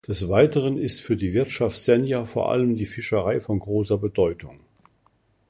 Des Weiteren ist für die Wirtschaft Senja vor allem die Fischerei von großer Bedeutung.